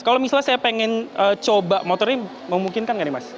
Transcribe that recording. kalau misalnya saya pengen coba motor ini memungkinkan nggak nih mas